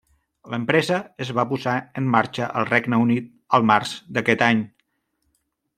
L'empresa es va posar en marxa al Regne Unit al març d'aquest any.